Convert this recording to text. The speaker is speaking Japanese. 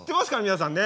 皆さんね。